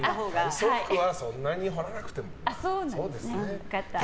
体操服はそんなに掘らなくても。